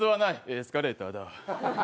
エスカレーターだ。